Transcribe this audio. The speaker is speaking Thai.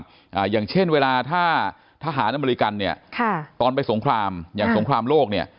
อย่างเช่นเวลาถ้าทหารอเมริกันเนี่ยค่ะตอนไปสงครามอย่างสงครามโลกเนี่ย